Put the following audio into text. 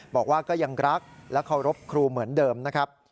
บอกว่าก็ยังรักและเคารพครูเหมือนเดิมนะครับ